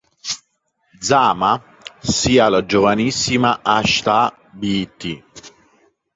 Zamʿa sia la giovanissima ʿĀʾisha bt.